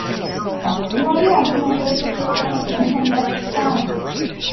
Many other members of the organization left town.